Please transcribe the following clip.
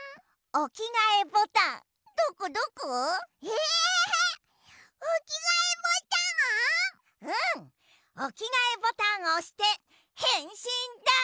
おきがえボタンをおしてへんしんだい！